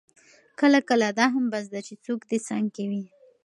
کله کله دا هم بس ده چې څوک دې څنګ کې وي.